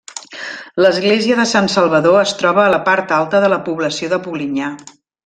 L'església de Sant Salvador es troba a la part alta de la població de Polinyà.